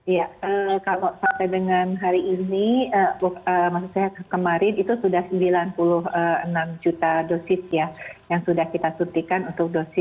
iya kalau sampai dengan hari ini maksud saya kemarin itu sudah sembilan puluh enam juta dosis ya yang sudah kita suntikan untuk dosis